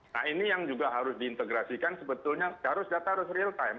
nah ini yang juga harus diintegrasikan sebetulnya harus data harus real time